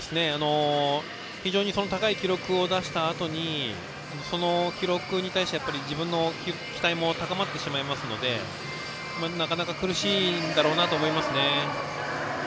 非常に高い記録を出したあとにその記録に対して、自分の期待も高まってしまいますのでなかなか苦しいんだろうなと思いますね。